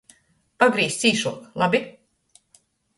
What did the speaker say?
Pagrīz cīšuok, labi?